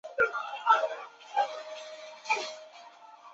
池后正中为文澜阁。